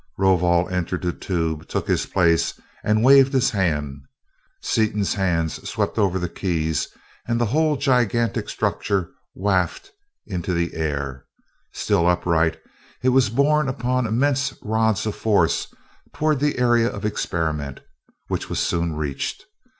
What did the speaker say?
Rovol entered the tube, took his place, and waved his hand. Seaton's hands swept over the keys and the whole gigantic structure wafted into the air. Still upright, it was borne upon immense rods of force toward the Area of Experiment, which was soon reached.